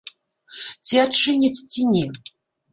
Ці адчыняць, ці не?